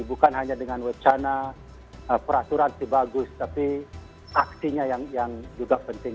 bukan hanya dengan wacana peraturan sih bagus tapi aksinya yang juga penting